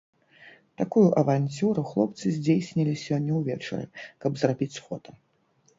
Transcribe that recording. Такую аванцюру хлопцы здзейснілі сёння ўвечары, каб зрабіць фота.